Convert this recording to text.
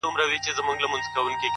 د زړه سکون له رښتینولۍ زېږي،